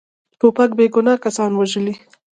توپک بیګناه کسان وژلي.